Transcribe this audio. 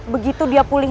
jika dia pulih